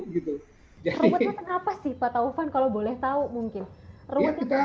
robotnya kenapa sih pak taufan kalau boleh tahu mungkin